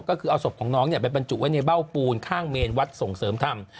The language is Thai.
ก็คือเอาศพของน้องไปบรรจุไว้ในเบ้าปูนข้างเมนวัดส่งเสริมธรรม